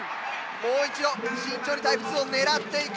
もう一度慎重にタイプ２を狙っていく。